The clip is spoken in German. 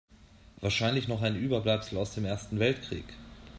Wahrscheinlich noch ein Überbleibsel aus dem Ersten Weltkrieg.